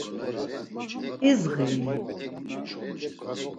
İzği-i?